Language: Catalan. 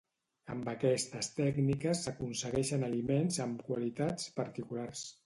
Amb aquestes tècniques s'aconsegueixen aliments amb qualitats particulars.